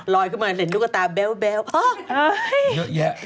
ลอยขึ้นมาเห็นรูปตาแบ๊ว